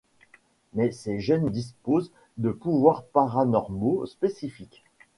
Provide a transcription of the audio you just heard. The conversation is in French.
Mais ces jeunes disposent de pouvoir paranormaux spécifiques.